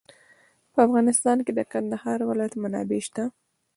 په افغانستان کې د کندهار ولایت منابع شته.